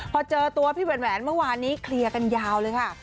พอเจอตัวพี่แหวนเมื่อวานนี้เคลียร์กันยาวเลยค่ะ